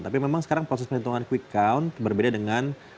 tapi memang sekarang proses perhitungan quick count berbeda dengan